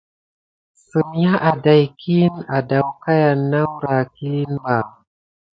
Səm ya áɗaïkiy aɗan ka na wure kilin ɓà.